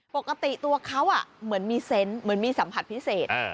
ปกติตัวเขาเหมือนมีเซนต์เหมือนมีสัมผัสพิเศษ